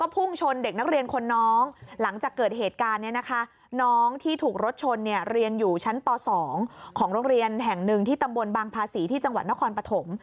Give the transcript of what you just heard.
พุ่งชนเด็กนักเรียนคนน้องหลังจากเกิดเหตุการณ์นี้นะคะน้องที่ถูกรถชนเรียนอยู่ชั้นป๒ของโรงเรียนแห่งหนึ่งที่ตำบลบางภาษีที่จังหวัดนครปฐม